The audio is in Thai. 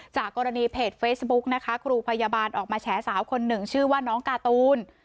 จากกรณีเพจเฟซบุ๊กนะคะครูพยาบาลออกมาแฉสาวคนหนึ่งชื่อว่าน้องการ์ตูน